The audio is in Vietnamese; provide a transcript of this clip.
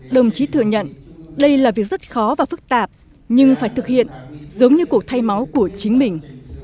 đồng chí thừa nhận đây là việc rất khó và phức tạp nhưng phải thực hiện giống như cuộc thay máu của chính mình